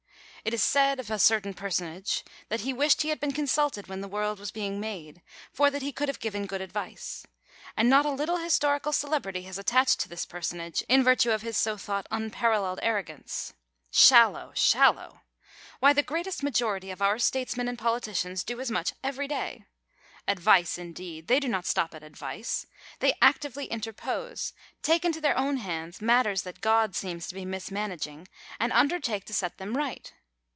It is said of a certain personage, that he wished he had been consulted when the world was being made, for that he could have given good advice; and not a little historical celebrity has attached to this personage, ill virtue of his so thought unparalleled arrogance. Shallow, shallow ! Why, the great majority of our statesmen and politicians do as much every day. Advice, indeed ! they do not stop at advice. They actively interpose, take into their own hands matters that God seems to be mismanaging, and undertake to set them right